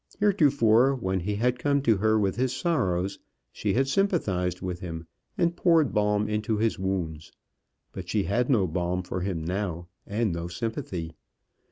Heretofore, when he had come to her with his sorrows, she had sympathized with him, and poured balm into his wounds. But she had no balm for him now and no sympathy.